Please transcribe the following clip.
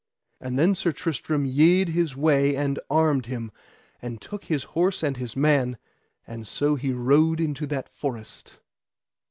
And then Sir Tristram yede his way and armed him, and took his horse and his man, and so he rode into that forest.